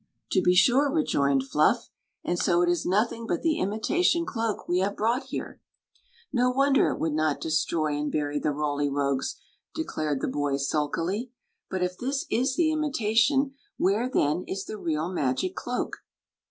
" To be sure," rejoined Fluff. " And so it is noth ing but the imitation cloak we have ImHtght here." " No wonder it would not destroy and bury the Roly Rogues !" declared the boy, sulkily. " But if this is the imitation, where, then, is the real magic cloak?"